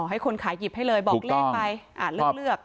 ให้คนขายหยิบให้เลยบอกเลขไปเลือก